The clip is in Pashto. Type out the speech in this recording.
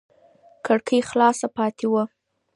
کړکۍ خلاصه پاتې وه.